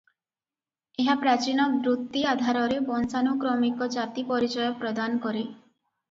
ଏହା ପ୍ରାଚୀନ ବୃତ୍ତି ଆଧାରରେ ବଂଶାନୁକ୍ରମିକ ଜାତି-ପରିଚୟ ପ୍ରଦାନ କରେ ।